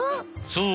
そう。